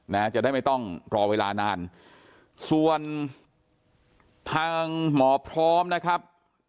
นะจะได้ไม่ต้องรอเวลานานส่วนทางหมอพร้อมนะครับ